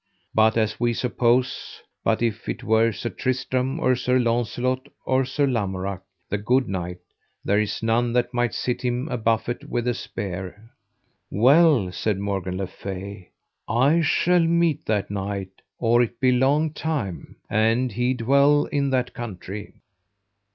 But as we suppose, but if it were Sir Tristram, or Sir Launcelot, or Sir Lamorak, the good knight, there is none that might sit him a buffet with a spear. Well, said Morgan le Fay, I shall meet that knight or it be long time, an he dwell in that country.